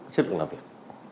chất lượng làm việc